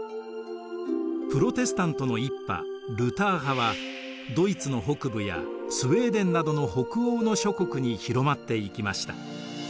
プロテスタントの一派ルター派はドイツの北部やスウェーデンなどの北欧の諸国に広まっていきました。